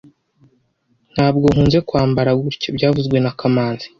Ntabwo nkunze kwambara gutya byavuzwe na kamanzi